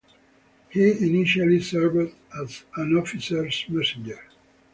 He initially served as an officers' messenger.